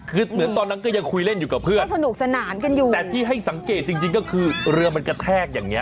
คือเหมือนตอนนั้นก็ยังคุยเล่นอยู่กับเพื่อนแต่ที่ให้สังเกตจริงก็คือเรือมันกระแทกอย่างนี้